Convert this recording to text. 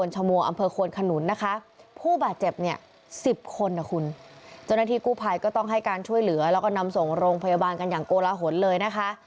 เจ้าหน้าที่กู้ภัยก็ต้องให้การช่วยเหลือแล้วก็นำส่งโรงพยาบาลกันอย่างโกลหนเลยนะคะ